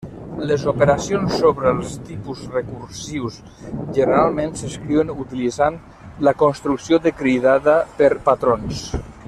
Les operacions sobre els tipus recursius generalment s'escriuen utilitzant la construcció de cridada per patrons.